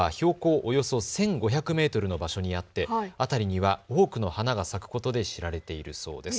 およそ１５００メートルの場所にあって辺りには多くの花が咲くことで知られているそうです。